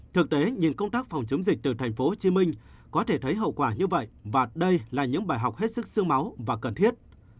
thực tế nhìn công tác phòng chống dịch từ thành phố hồ chí minh có thể thấy hậu quả như vậy và đây là những bài học hết sức sương máu và cần thiết